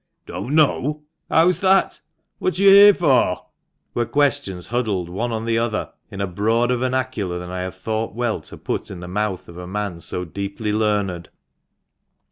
" Don't know ? How's that ? What are you here for ?" were questions huddled one on the other, in a broader vernacular than I have thought well to put in the mouth of a man so deeply learned.